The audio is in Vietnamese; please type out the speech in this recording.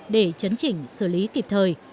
để chấn chỉnh xử lý kịp thời